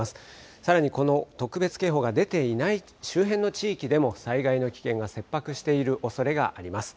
さらにこの特別警報が出ていない周辺の地域でも、災害の危険が切迫しているおそれがあります。